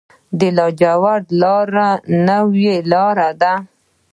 د لاجوردو لاره نوې لاره ده